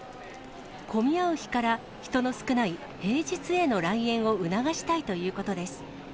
混み合う日から人の少ない平日への来園を促したいということです。